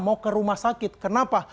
mau ke rumah sakit kenapa